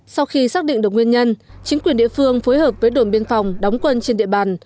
sau khi xác định được nguyên nhân chính quyền địa phương phối hợp với đồn biên phòng đóng quân trên địa bàn